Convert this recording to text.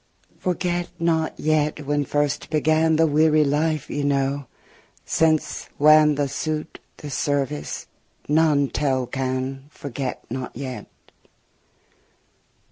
Forget not yet when first began The weary life ye knew, since whan The suit, the service, none tell can, Forget not yet.